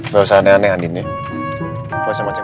gak usah aneh aneh andi nih gak usah macem macem